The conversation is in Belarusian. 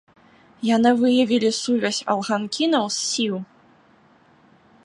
Яны выявілі сувязь алганкінаў з сіў.